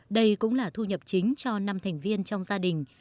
đây cũng là thu nhập chính cho năm thành viên trong gia đình